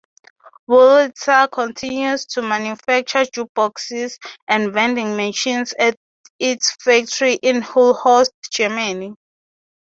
Wurlitzer continues to manufacture jukeboxes and vending machines at its factory in Hullhorst, Germany.